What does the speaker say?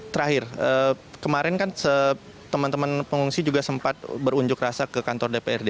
terakhir kemarin kan teman teman pengungsi juga sempat berunjuk rasa ke kantor dprd